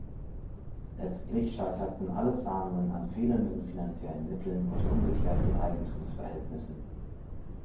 Letztlich scheiterten alle Planungen an fehlenden finanziellen Mitteln und ungeklärten Eigentumsverhältnissen.